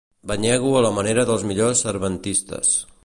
Banyego a la manera dels millors cervantistes.